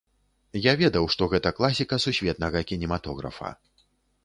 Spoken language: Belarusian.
Я ведаў, што гэта класіка сусветнага кінематографа.